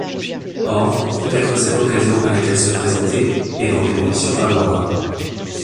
Or, peut-être cette occasion allait-elle se présenter, et dans des conditions favorables.